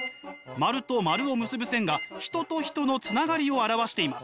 丸と丸を結ぶ線が人と人のつながりを表しています。